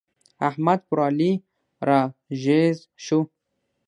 احمد پر علي را ږيز شو.